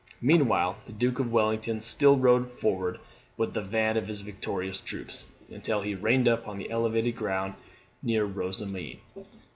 Meanwhile the Duke of Wellington still rode forward with the van of his victorious troops, until he reined up on the elevated ground near Rossomme.